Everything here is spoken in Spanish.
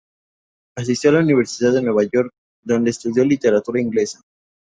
Asistió a la Universidad de Nueva York, donde estudió literatura inglesa.